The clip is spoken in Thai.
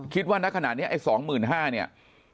คิดว่าณขนาดนี้อันนี้๒๕๐๐๐เนี่ย